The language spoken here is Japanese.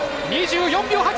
２４秒８３！